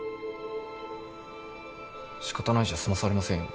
仕方ないじゃ済まされませんよ。